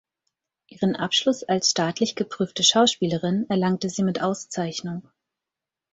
Ihren Abschluss als „Staatlich geprüfte Schauspielerin“ erlangte sie mit Auszeichnung.